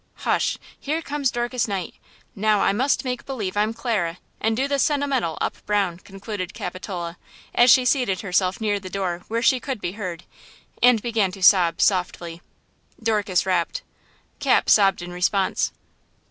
"Hush! here comes Dorcas Knight! Now I must make believe I'm Clara, and do the sentimental up brown!" concluded Capitola, as she seated herself near the door where she could be heard, and began to sob softly. Dorcas rapped. Cap sobbed in response.